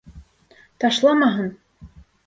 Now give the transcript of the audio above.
Ташламаһын!